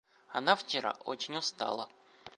Она вчера очень устала.